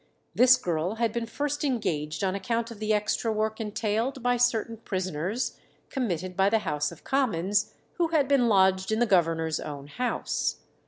This girl had been first engaged on account of the extra work entailed by certain prisoners committed by the House of Commons, who had been lodged in the governor's own house.